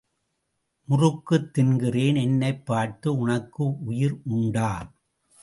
முறுக்குத் தின்கிறேன் என்னைப் பார்த்து உனக்கு உயிர் உண்டா?